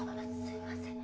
すいません。